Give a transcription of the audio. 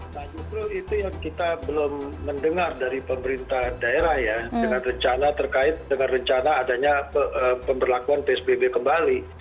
nah justru itu yang kita belum mendengar dari pemerintah daerah ya dengan rencana terkait dengan rencana adanya pemberlakuan psbb kembali